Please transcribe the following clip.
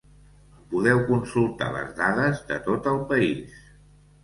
Podeu consultar les dades de tot el país.